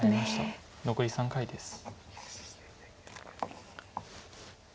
残り３回です。